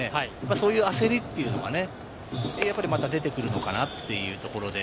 そういう焦りというのがね、やっぱり出てくるのかなというところで。